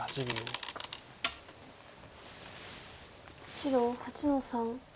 白８の三。